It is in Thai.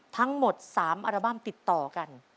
ทั้งหมด๓อัลบั้มติดต่อกัน